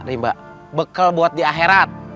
rimba bekal buat di akhirat